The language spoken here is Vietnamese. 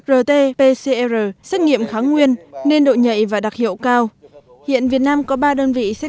rt pcr xét nghiệm kháng nguyên nền độ nhạy và đặc hiệu cao hiện việt nam có ba đơn vị xét